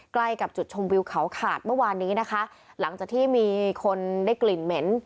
ใกล้กับจุดชมวิวเขาขาดเมื่อวานนี้นะคะหลังจากที่มีคนได้กลิ่นเหม็น